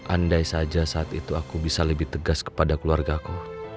andai saja saat itu aku bisa lebih tegas kepada keluargaku